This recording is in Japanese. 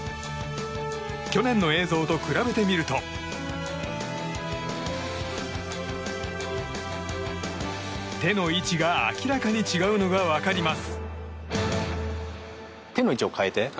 去年の映像と比べてみると手の位置が明らかに違うのが分かります。